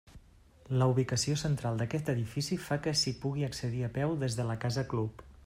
La ubicació central d'aquest edifici fa que s'hi pugui accedir a peu des de la casa club.